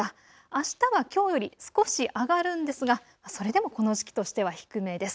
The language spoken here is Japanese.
あしたはきょうより少し上がるんですがそれでもこの時期としては低めです。